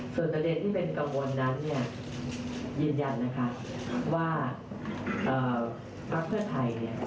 ส่วนตัวเนี่ยที่เป็นกังวลนั้นเนี่ยยืนยันนะคะ